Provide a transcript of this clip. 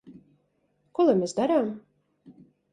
Ko lai mēs darām?